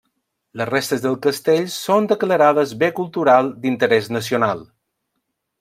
Les restes del castell són declarades bé cultural d'interès nacional.